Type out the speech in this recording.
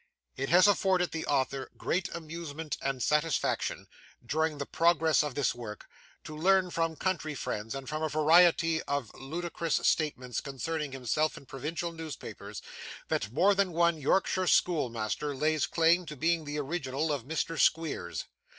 "It has afforded the Author great amusement and satisfaction, during the progress of this work, to learn, from country friends and from a variety of ludicrous statements concerning himself in provincial newspapers, that more than one Yorkshire schoolmaster lays claim to being the original of Mr. Squeers.